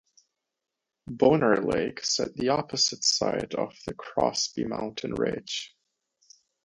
Boner Lake is at the opposite side of the Crosby Mountain ridge.